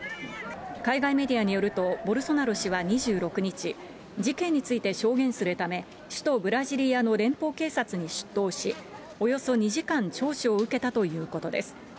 海外メディアによると、ボルソナロ氏は２６日、事件について証言するため、首都ブラジリアの連邦警察に出頭し、およそ２時間聴取を受けたということです。